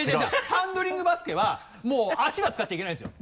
ハンドリングバスケは足は使っちゃいけないんですよ。